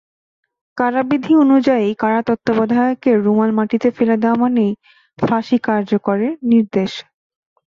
কারাবিধি অনুযায়ী, কারা তত্ত্বাবধায়কের রুমাল মাটিতে ফেলে দেওয়া মানেই ফাঁসি কার্যকরের নির্দেশ।